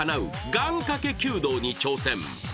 願掛け弓道に挑戦。